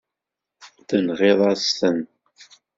Tenɣiḍ-asen-ten.